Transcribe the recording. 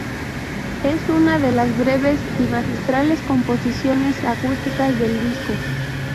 Es una de las breves y magistrales composiciones acústicas del disco.